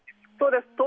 そうです。